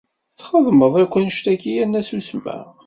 Txedmeḍ akk annect-agi, yerna ssusmeɣ.